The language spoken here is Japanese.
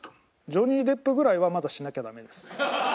ジョニー・デップぐらいはまだしなきゃダメです。